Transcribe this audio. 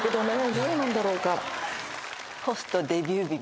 Ａなんだろうか？